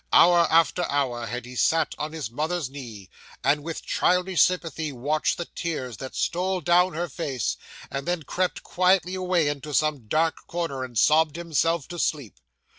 Hour after hour had he sat on his mother's knee, and with childish sympathy watched the tears that stole down her face, and then crept quietly away into some dark corner, and sobbed himself to sleep.